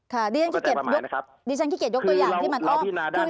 ดิฉันขี้เกียจยกตัวอย่างที่มันอ้อม